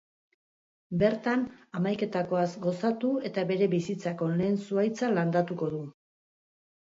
Bertan, hamaiketakoaz gozatu eta bere bizitzako lehen zuhaitza landatuko du.